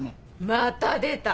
また出た！